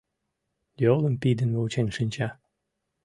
Йолым пидын вучен шинча.